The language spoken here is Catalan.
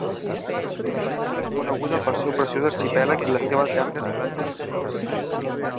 La península és coneguda pel seu preciós arxipèlag i les seves llargues platges de sorra.